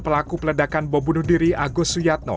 pelaku peledakan bom bunuh diri agus suyatno